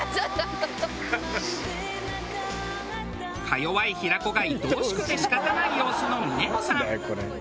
か弱い平子がいとおしくて仕方ない様子の峰子さん。